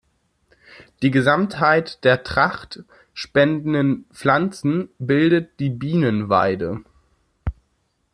Die Gesamtheit der Tracht spendenden Pflanzen bildet die Bienenweide.